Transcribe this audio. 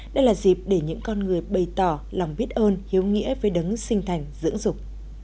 đây là dịp để những con người bày tỏ lòng biết ơn hiếu nghĩa với đấng sinh thành dưỡng dục